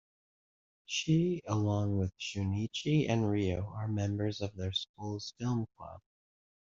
She along with Shunichi and Riho are members of their school's film club.